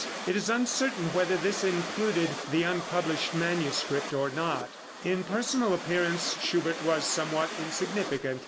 It is uncertain whether this included the unpublished manuscript or not. In personal appearance Schubert was somewhat insignificant.